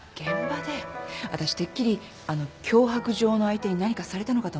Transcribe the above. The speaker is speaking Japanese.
わたしてっきりあの脅迫状の相手に何かされたのかと思って。